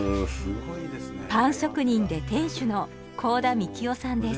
パン職人で店主の甲田幹夫さんです。